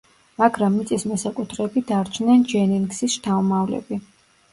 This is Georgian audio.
მაგრამ მიწის მესაკუთრეები დარჩნენ ჯენინგსის შთამომავლები.